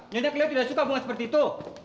nyonya kelihatan tidak suka bunga seperti itu